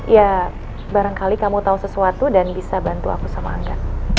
ya barangkali kamu tahu sesuatu dan bisa bantu aku sama angga